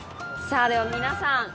さぁでは皆さん